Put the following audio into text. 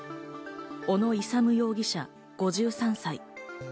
小野勇容疑者、５３歳。